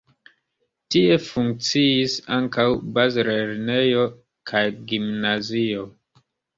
Tie funkciis ankaŭ bazlernejo kaj gimnazio.